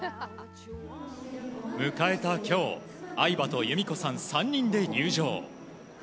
迎えた今日、愛馬と裕美子さん３人で入場。